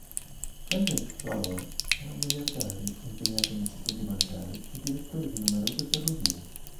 Frederick Flower era un miliardario, impegnato in istituti bancari e direttore di numerose ferrovie.